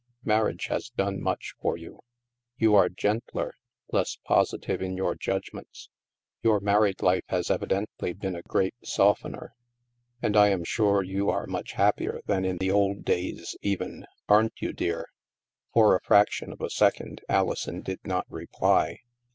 Marriage has done much for you. You are gentler, less posi tive in your judgments. Your married life has evidently been a great softener. And I am sure you are much happier than in the old days even, aren't you, dear?" For the fraction of a second, Alison did not reply.